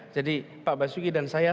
pak basuki dan saya